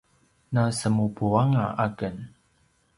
nasemupuanga aken